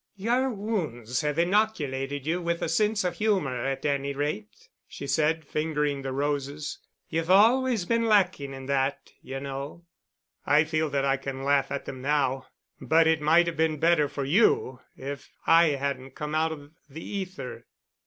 "Your wounds have inoculated you with a sense of humor, at any rate," she said, fingering the roses. "You've always been lacking in that, you know." "I feel that I can laugh at them now. But it might have been better for you if I hadn't come out of the ether."